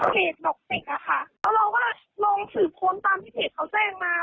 เพจมันมาจากเพจดอกติกค่ะแล้วเราก็ลงสื่อพ้นตามที่เพจเค้าแจ้งมา